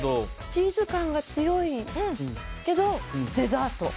チーズ感が強いけど、デザート。